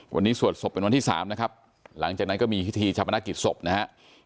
วันนี้สวดศพเป็นวันที่สามนะครับหลังจากนั้นก็มีทีชะพนักกิจศพนะฮะ